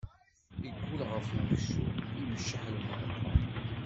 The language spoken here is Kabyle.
Iggul ɣef uksum, imceḥ lmeṛqa.